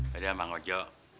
padahal bang ojo